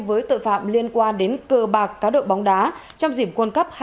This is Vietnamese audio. với tội phạm liên quan đến cơ bạc cá đội bóng đá trong dìm quân cấp hai nghìn